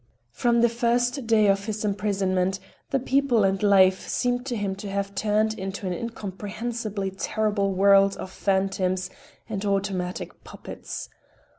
From the first day of his imprisonment the people and life seemed to him to have turned into an incomprehensibly terrible world of phantoms and automatic puppets.